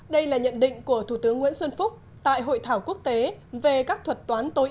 đây là nhận định của thủ tướng nguyễn xuân phúc tại hội thảo quốc tế về các thuật toán tối